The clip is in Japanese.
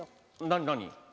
何何？